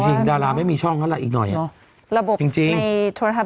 จริงดารามไม่มีช่องแล้วล่ะอีกหน่อยน่ะจริงระบบในทัวร์ทัพ